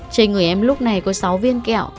trên người em lúc này có sáu viên kẹo